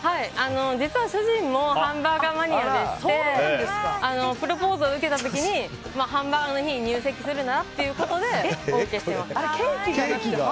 実は主人もハンバーガーマニアでしてプロポーズを受けた時にハンバーガーの日に入籍するならってことでお受けしてます。